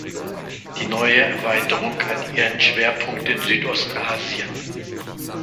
Die neue Erweiterung hat ihren Schwerpunkt in Südostasien.